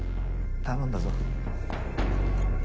頼んだぞ。